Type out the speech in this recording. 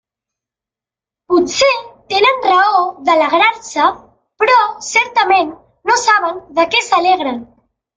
Potser tenen raó d'alegrar-se; però, certament, no saben de què s'alegren.